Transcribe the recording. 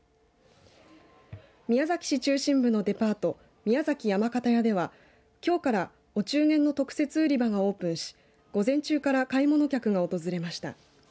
宮崎市中心部のデパート宮崎山形屋では、きょうからお中元の特設売り場がオープンし午前中から買い物客が訪れました。